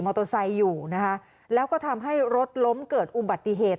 โตไซค์อยู่นะคะแล้วก็ทำให้รถล้มเกิดอุบัติเหตุ